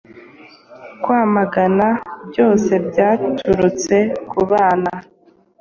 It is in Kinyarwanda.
kwamagana byose byaturutse kubana